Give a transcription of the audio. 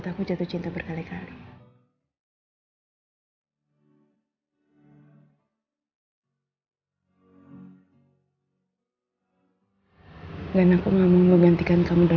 tapi tuh dia selalu bilang kalau nama tunangannya itu adi